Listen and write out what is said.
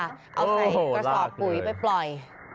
เอาใส่กระสอบปุ๋ยไปปล่อย